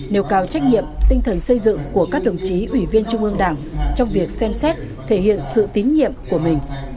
nêu cao trách nhiệm tinh thần xây dựng của các đồng chí ủy viên trung ương đảng trong việc xem xét thể hiện sự tín nhiệm của mình